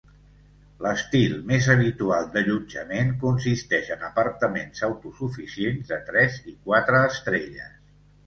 L'estil més habitual d'allotjament consisteix en apartaments autosuficients de tres i quatre estrelles.